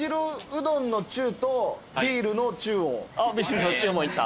あっビールの中もいった。